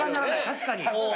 確かに。